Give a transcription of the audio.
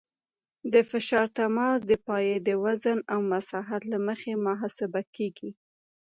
د فشار تماس د پایې د وزن او مساحت له مخې محاسبه کیږي